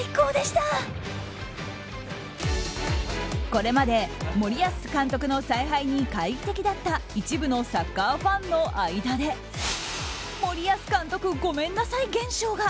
これまで森保監督の采配に懐疑的だった一部のサッカーファンの間で森保監督ごめんなさい現象が。